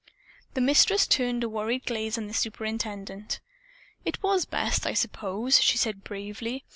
The Mistress turned a worried gaze on the superintendent. "It was best, I suppose," she said bravely.